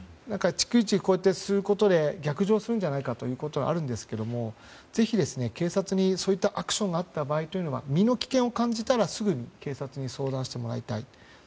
逐一することで逆上するんじゃないかということがあるんですけどぜひ、警察にそういったアクションがあった場合は身の危険を感じたら、すぐに警察に相談してもらいたい。